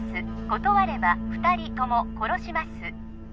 断れば２人とも殺します